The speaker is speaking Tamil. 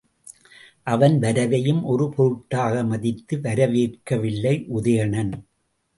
அவன் வரவையும் ஒரு பொருட்டாக மதித்து வரவேற்கவில்லை உதயணன்.